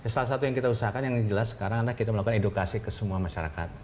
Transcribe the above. salah satu yang kita usahakan yang jelas sekarang adalah kita melakukan edukasi ke semua masyarakat